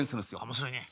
面白いね。